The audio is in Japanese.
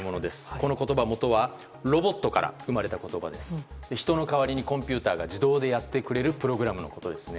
この言葉元はロボットから来たもので人の代わりにコンピューターが自動でやってくれるプログラムのことです。